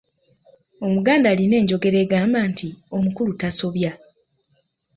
Omuganda alina enjogera egamba nti, “Omukulu tasobya”.